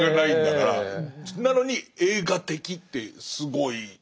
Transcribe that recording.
なのに「映画的」ってすごい。